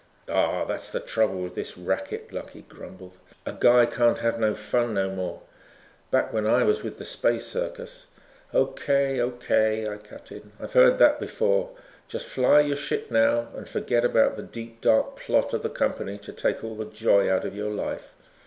"Aw, that's the trouble with this racket," Lucky grumbled, "a guy can't have no fun no more. Back when I was with the Space circus " "Okay, okay," I cut in, "I've heard that before. Just fly your ship, now, and forget about the deep dark plot of the company to take all the joy out of your life.